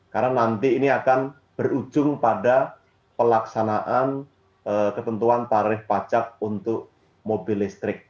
karena nanti ini akan berujung pada pelaksanaan ketentuan tarif pacat untuk mobil listrik